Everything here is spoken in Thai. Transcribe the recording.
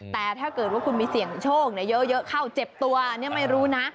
แต่ถ้าเกิดว่าคุณมีเสี่ยงโชคเยอะเข้าเจ็บตัวเนี่ยไม่รู้นะ